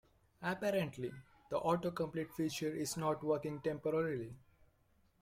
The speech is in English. Apparently, the autocomplete feature is not working temporarily.